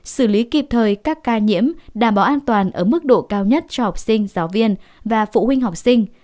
xử lý kịp thời các ca nhiễm đảm bảo an toàn ở mức độ cao nhất cho học sinh giáo viên và phụ huynh học sinh